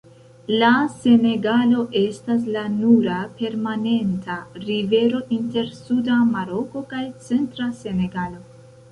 La Senegalo estas la nura permanenta rivero inter suda Maroko kaj centra Senegalo.